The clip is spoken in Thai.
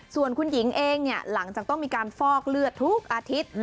ส่วนคุณหญิงเองหลังจากต้องมีการฟอกเลือดทุกอาทิตย์